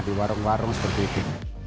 di warung warung seperti itu